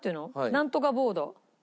なんとかボード。